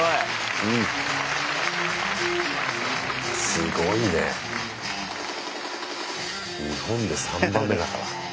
すごいね日本で３番目だから。うん。